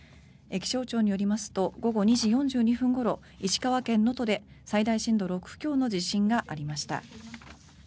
気象庁によりますと午後２時４２分ごろ石川県能登で最大震度６強の地震がありました。